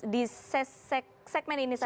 di segmen ini saja